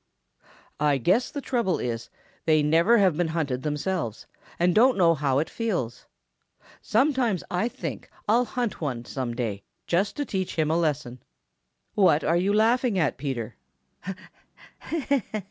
I guess the trouble is they never have been hunted themselves and don't know how it feels. Sometimes I think I'll hunt one some day just to teach him a lesson. What are you laughing at, Peter?"